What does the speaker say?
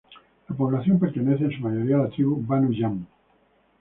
La población pertenece en su mayoría a la tribu Banu Yam.